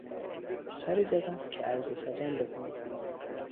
سری زدم که عرض سلام بکنم!